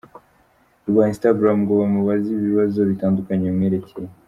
rwa Instagram ngo bamubaze ibibazo bitandukanye bimwerekeye.